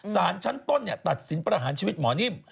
สารชั้นต้นตัดสินประหารชีวิตหมอนิ่ม